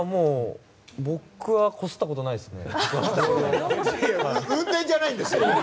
僕はこすったことないですね。